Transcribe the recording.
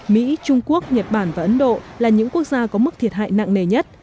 mỹ trung quốc nhật bản và ấn độ là những quốc gia có mức thiệt hại nặng nề nhất